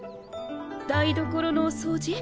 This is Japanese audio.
台所の掃除？